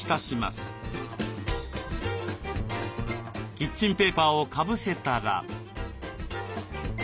キッチンペーパーをかぶせたら。